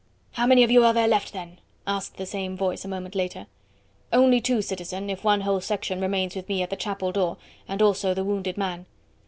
"How many of you are there left, then?" asked the same voice a moment later. "Only two, citizen; if one whole section remains with me at the chapel door, and also the wounded man."